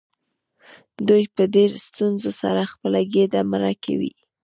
دوی په ډیرو ستونزو سره خپله ګیډه مړه کوي.